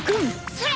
それ！